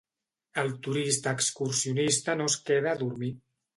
El turista excursionista no es queda a dormir.